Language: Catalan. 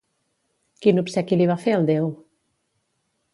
Quin obsequi li va fer el déu?